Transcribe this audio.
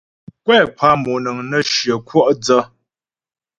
Kwɛ kwa moŋəŋ nə́ shyə kwɔ' dsə.